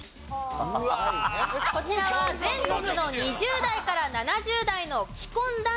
こちらは全国の２０代から７０代の既婚男女